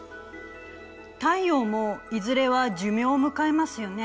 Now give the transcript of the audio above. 太陽もいずれは寿命を迎えますよね。